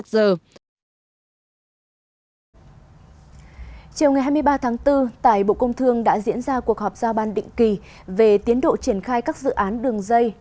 chiều ngày hai mươi ba tháng bốn tại bộ công thương đã diễn ra cuộc họp giao ban định kỳ về tiến độ triển khai các dự án đường dây